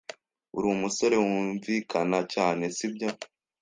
Urumusore wunvikana cyane, sibyo?